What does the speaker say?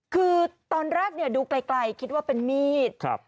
คือตอนแรกเนี่ยดูไกลคิดว่าเป็นมีด